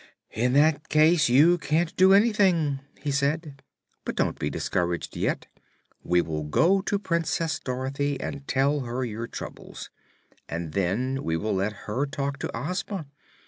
"In that case you can't do anything," he said. "But don't be discouraged yet. We will go to Princess Dorothy and tell her your troubles, and then we will let her talk to Ozma.